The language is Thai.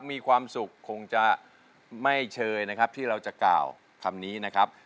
มีความสุขคงจะไม่เชยนะครับที่เราจะกล่าวคำนี้นะครับ